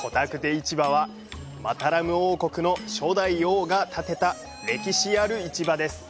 市場はマタラム王国の初代王が建てた歴史ある市場です。